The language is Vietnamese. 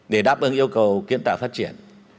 để đáp ứng yêu cầu kiên tạo phát triển